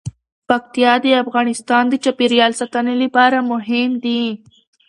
پکتیا د افغانستان د چاپیریال ساتنې لپاره مهم دي.